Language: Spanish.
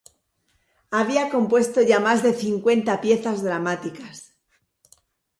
Había compuesto ya más de cincuenta piezas dramáticas.